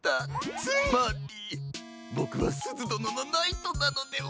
つまりボクはすずどののナイトなのでは？